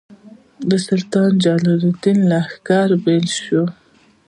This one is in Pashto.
د سلطان جلال الدین له لښکرو بېل شول.